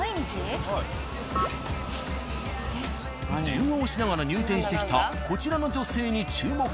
電話をしながら入店してきたこちらの女性に注目。